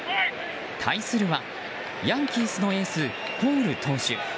対するは、ヤンキースのエースコール投手。